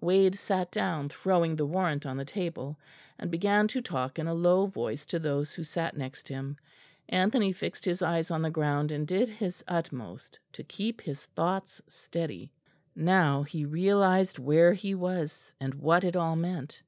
Wade sat down, throwing the warrant on the table, and began to talk in a low voice to those who sat next him. Anthony fixed his eyes on the ground, and did his utmost to keep his thoughts steady. Now he realised where he was, and what it all meant.